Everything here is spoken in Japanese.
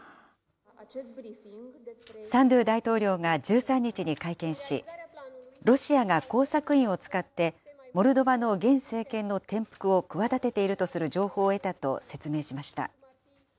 サンドゥ大統領が１３日に会見し、ロシアが工作員を使ってモルドバの現政権の転覆を企てているとする情報を得たと説明しました。